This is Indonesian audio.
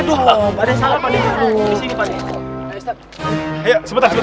aduh pak d